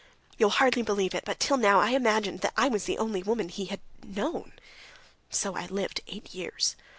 You'll hardly believe it, but till now I imagined that I was the only woman he had known. So I lived eight years.